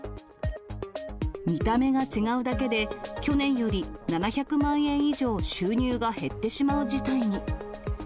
見た目が違うだけで、去年より７００万円以上収入が減ってしまう事態に。